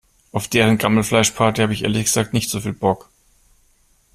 Auf deren Gammelfleischparty habe ich ehrlich gesagt nicht so viel Bock.